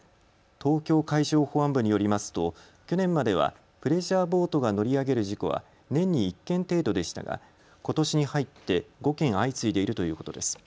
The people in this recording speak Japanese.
東京海上保安部によりますと去年まではプレジャーボートが乗り上げる事故は年に１件程度でしたがことしに入って５件、相次いでいるということです。